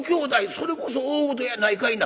それこそ大ごとやないかいな。